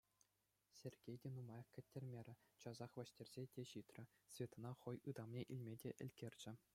Сергей те нумаях кӗттермерӗ, часах вӗҫтерсе те ҫитрӗ, Светӑна хӑй ытамне илме те ӗлкӗрчӗ.